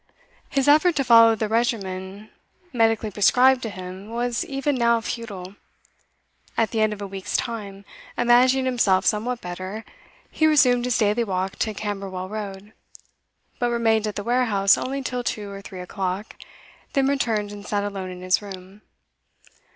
His effort to follow the regimen medically prescribed to him was even now futile. At the end of a week's time, imagining himself somewhat better, he resumed his daily walk to Camberwell Road, but remained at the warehouse only till two or three o'clock, then returned and sat alone in his room.